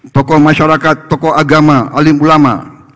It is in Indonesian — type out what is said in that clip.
tokoh masyarakat tokoh agama alim ulama